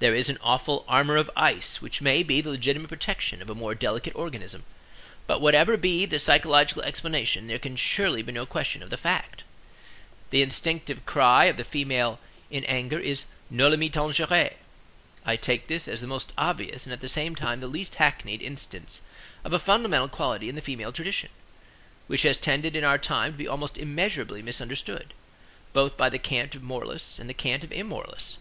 There is an awful armor of ice which may be the legitimate protection of a more delicate organism; but whatever be the psychological explanation there can surely be no question of the fact. The instinctive cry of the female in anger is noli me tangere. I take this as the most obvious and at the same time the least hackneyed instance of a fundamental quality in the female tradition, which has tended in our time to be almost immeasurably misunderstood, both by the cant of moralists and the cant of immoralists.